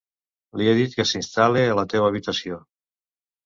Li he dit que s'instal·le a la teua habitació.